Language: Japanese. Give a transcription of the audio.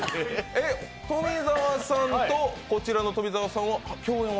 富澤さんと、こちらの富澤さんの共演は？